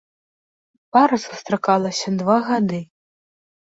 Пара сустракалася два гады.